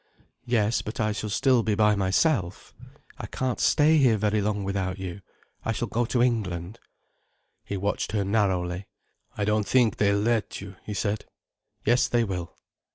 "Yes. But I shall still be myself. I can't stay here very long without you. I shall go to England." He watched her narrowly. "I don't think they'll let you," he said. "Yes they will."